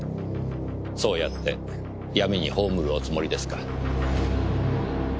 そうやって闇に葬るおつもりですか？